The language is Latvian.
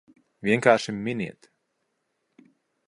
Vienkārši miniet!